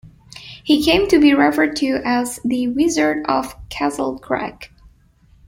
He came to be referred to as "The Wizard of Castlecrag".